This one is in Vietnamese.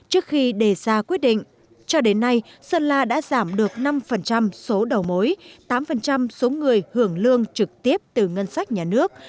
trước khi đề ra quyết định cho đến nay sơn la đã giảm được năm số đầu mối tám số người hưởng lương trực tiếp từ ngân sách nhà nước